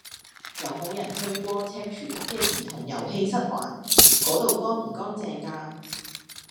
有無人去過赤柱體育館嘅兒童遊戲室玩？嗰度乾唔乾淨㗎？